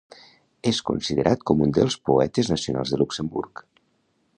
És considerat com un dels poetes nacionals de Luxemburg.